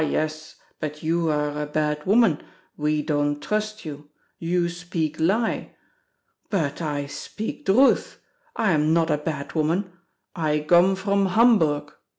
yes; but you are a bad woman, we don' trust you—you speak lie.' But I speak druth, I am nod a bad woman—I gome from Hamburg."